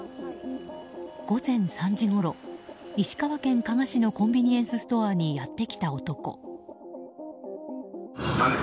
午前３時ごろ、石川県加賀市のコンビニエンスストアにやってきた男。